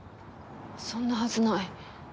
そんなはずない。